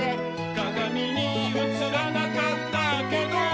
「かがみにうつらなかったけど」